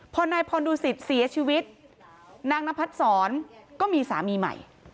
พอนายพรดูสิตเสียชีวิตนางนพัดศรก็มีสามีใหม่